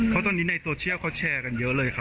เพราะว่าในสำนวนผู้จังหายังไม่ให้การเลยเจอ